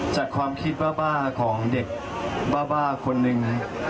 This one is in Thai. จากความคิดบ้าของเด็กบ้าคนหนึ่ง